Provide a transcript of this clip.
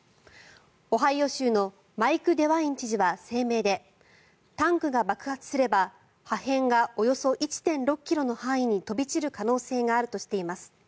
オハイオ州のマイク・デワイン知事は声明でタンクが爆発すれば破片がおよそ１．６ｋｍの範囲に飛び散る可能性があるとしています。